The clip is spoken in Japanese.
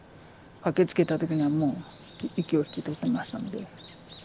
駆けつけた時にはもう息を引き取ってましたので。